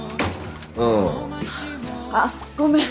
うん。あっごめん。